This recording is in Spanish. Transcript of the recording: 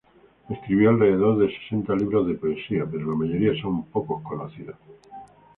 Escribió alrededor de sesenta libros de poesía, pero la mayoría son poco conocidos.